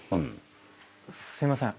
すいません。